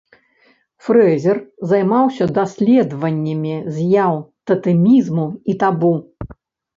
Фрэзер займаўся даследаваннямі з'яў татэмізму і табу.